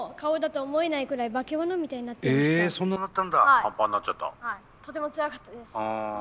はいとてもつらかったです。